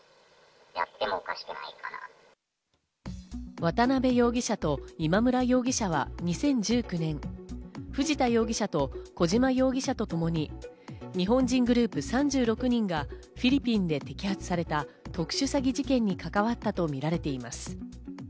渡辺容疑者と今村容疑者は２０１９年、藤田容疑者と小島容疑者とともに日本人グループ３６人がフィリピンで摘発された特殊詐欺事件に関わったとみられています。